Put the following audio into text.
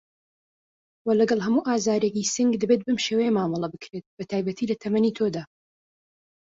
وه لەگەڵ هەموو ئازارێکی سنگ دەبێت بەم شێوەیە مامەڵه بکرێت بەتایبەت لە تەمەنی تۆدا